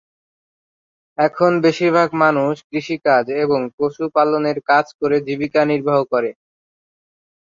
এখন বেশিরভাগ মানুষ কৃষিকাজ এবং পশু পালন এর কাজ করে জীবিকা নির্বাহ করে।